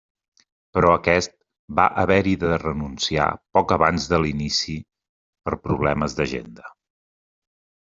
Però aquest va haver-hi de renunciar poc abans de l'inici per problemes d'agenda.